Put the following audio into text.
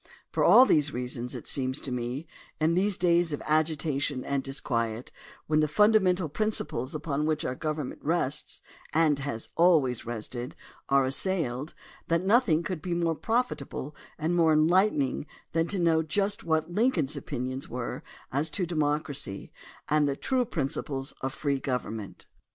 For all these reasons, it seems to me, in these days of agitation and disquiet, when the fundamental prin ciples upon which our government rests and has always rested are assailed, that nothing could be more profit able and more enlightening than to know just what Lincoln's opinions were as to democracy and the true principles of free government.